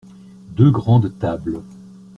Deux grandes tables.